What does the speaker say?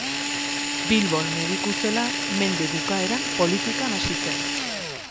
Bilbon mediku zela, mende bukaeran politikan hasi zen.